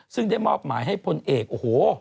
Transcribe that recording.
ซึ่งได้มอบหมายให้พลเอกโอ้โห